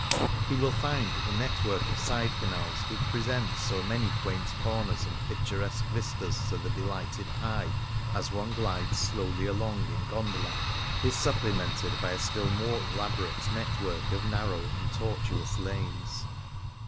He will find that the net work of side canals, which presents so many quaint corners and picturesque vistas to the delighted eye as one glides slowly along in gon dola, is supplemented by a still more elaborate network of narrow and tortuous lanes.